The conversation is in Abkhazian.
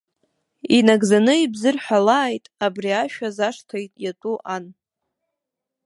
Инагӡаны ибзырҳәалааит, абри ашәа зашҭа иатәу ан!